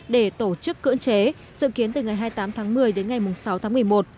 để tổ chức cưỡng chế dự kiến từ ngày hai mươi tám tháng một mươi đến ngày sáu tháng một mươi một